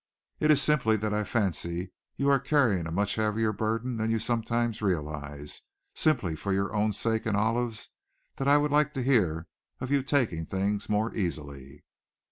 It is simply that I fancy you are carrying a much heavier burden than you sometimes realize simply for your own sake and Olive's that I would like to hear of your taking things more easily."